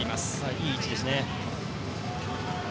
いい位置ですね。